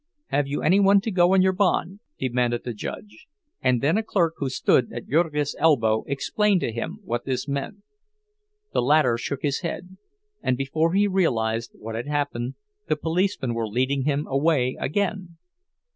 "Have you any one to go on your bond?" demanded the judge, and then a clerk who stood at Jurgis' elbow explained to him what this meant. The latter shook his head, and before he realized what had happened the policemen were leading him away again.